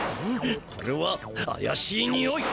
これはあやしいにおい。